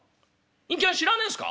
隠居はん知らねえんすか？